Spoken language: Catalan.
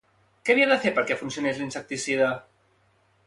Què havia de fer perquè funcionés l'insecticida?